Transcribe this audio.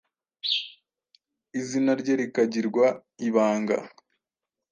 izina rye rikagirwa ibanga.